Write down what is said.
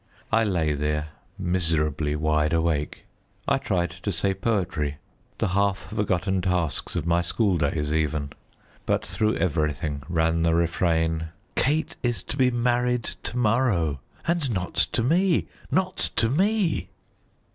I lay there, miserably wide awake. I tried to say poetry, the half forgotten tasks of my school days even, but through everything ran the refrain "Kate is to be married to morrow, and not to me, not to me!"